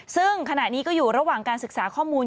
ซึ่งขณะนี้ก็อยู่ระหว่างการศึกษาข้อมูล